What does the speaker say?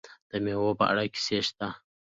د میوو په اړه کیسې شته.